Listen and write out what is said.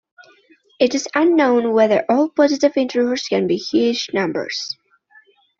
It is unknown whether all positive integers can be Heesch numbers.